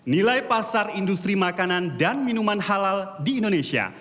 nilai pasar industri makanan dan minuman halal di indonesia